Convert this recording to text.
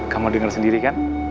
kamu dengar sendiri kan